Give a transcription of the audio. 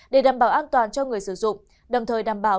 để đảm bảo an toàn cho người sử dụng đồng thời đảm bảo